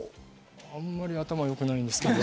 あんまり頭よくないんですけど。